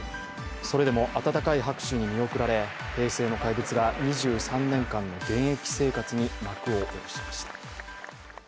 それでも温かい拍手に見送られ平成の怪物が２３年間の現役生活に幕を下ろしました。